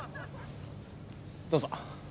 どうぞ。